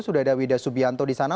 sudah ada wida subianto di sana